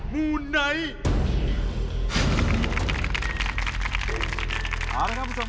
มูไนท์